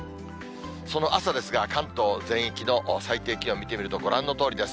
その朝ですが、関東全域の最低気温見てみると、ご覧のとおりです。